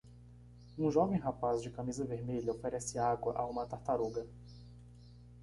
Um jovem rapaz de camisa vermelha oferece água a uma tartaruga.